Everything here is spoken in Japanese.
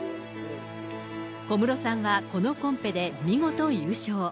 小室さんはこのコンペで見事優勝。